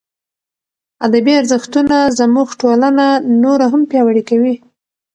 ادبي ارزښتونه زموږ ټولنه نوره هم پیاوړې کوي.